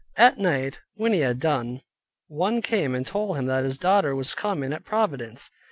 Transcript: At night, when he had done, one came and told him that his daughter was come in at Providence.